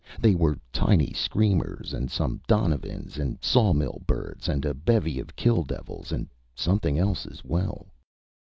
There were tiny screamers and some donovans and sawmill birds and a bevy of kill devils and something else as well.